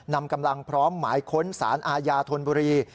นำกำลังพร้อมหมายค้นสารอาญาธนบุรี